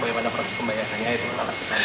bagaimana proses pembayarannya itu akan dilakukan